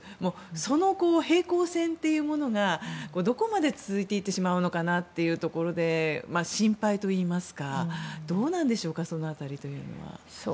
その平行線というものがどこまで続いて行ってしまうのかなと心配といいますかどうなんでしょうか、その辺り。